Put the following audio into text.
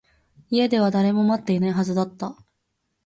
家では誰も待っていないはずだった